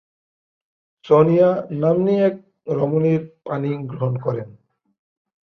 সোনিয়া নাম্নী এক রমণীর পাণিগ্রহণ করেন।